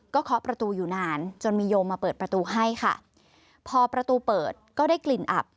เคาะประตูอยู่นานจนมีโยมมาเปิดประตูให้ค่ะพอประตูเปิดก็ได้กลิ่นอับ